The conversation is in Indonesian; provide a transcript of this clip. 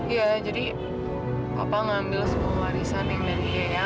iya jadi papa ngambil semua warisan yang dari yaya